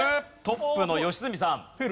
トップの良純さん。